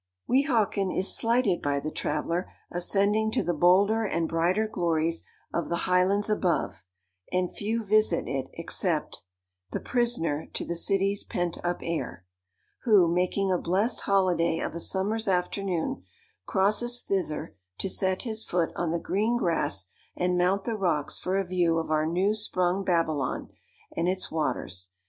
Weehawken is slighted by the traveller ascending to the bolder and brighter glories of the Highlands above; and few visit it except— "The prisoner to the city's pent up air," who, making a blest holiday of a summer's afternoon, crosses thither to set his foot on the green grass, and mount the rocks for a view of our new sprung Babylon and its waters.